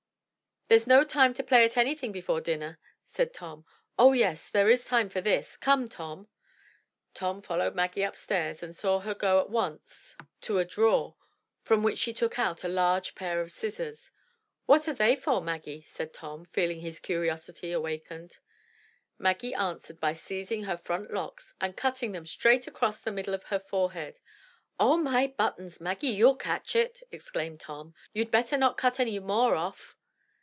"There's no time to play at anything before dinner," said Tom. "Oh, yes, there is time for this; come, Tom." Tom followed Maggie upstairs and saw her go at once to 222 THE TREASURE CHEST a drawer, from which she took out a large pair of scissors. "What are they for, Maggie?*' said Tom, feeling his curiosity awakened. Maggie answered by seizing her front locks and cutting them straight across the middle of her forehead. "Oh, my buttons! Maggie, you'll catch it!" exclaimed Tom; "you'd better not cut any more off.''